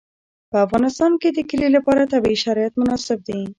په افغانستان کې د کلي لپاره طبیعي شرایط مناسب دي.